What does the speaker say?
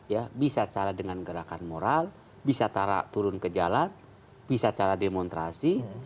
ya bisa cara dengan gerakan moral bisa cara turun ke jalan bisa cara demonstrasi